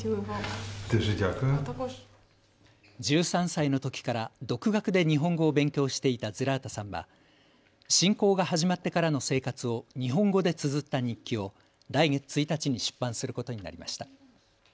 １３歳のときから独学で日本語を勉強していたズラータさんは侵攻が始まってからの生活を日本語でつづった日記を来月１日に出版することになりました。